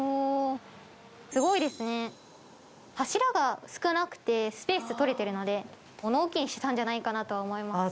柱が少なくてスペース取れているので物置にしてたんじゃないかなと思います。